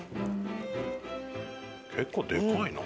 結構でかいな。